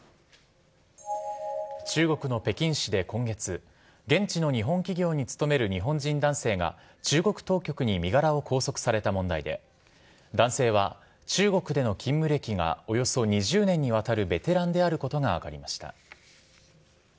中国の北京市で今月、現地の日本企業に勤める日本人男性が、中国当局に身柄を拘束された問題で、男性は中国での勤務歴がおよそ２０年にわたるベテランであることが分かりました。